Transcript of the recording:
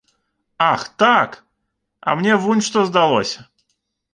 Ах, так, а мне вунь што здалося.